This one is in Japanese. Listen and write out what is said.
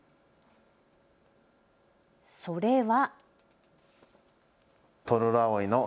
それは。